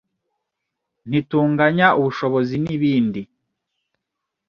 ntitunganya ubushobozin’ibindi,